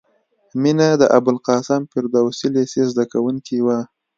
مینه د ابوالقاسم فردوسي لېسې زدکوونکې وه